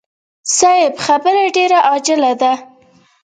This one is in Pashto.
صيب خبره ډېره عاجله ده.